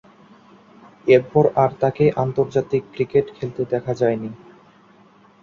এরপর আর তাকে আন্তর্জাতিক ক্রিকেট খেলতে দেখা যায়নি।